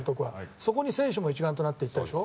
そこに選手も一丸となっていったでしょ。